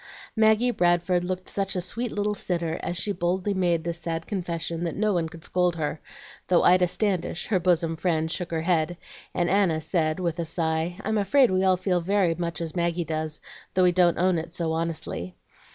Maggie Bradford looked such a sweet little sinner as she boldly made this sad confession, that no one could scold her, though Ida Standish, her bosom friend, shook her head, and Anna said, with a sigh: "I'm afraid we all feel very much as Maggie does, though we don't own it so honestly.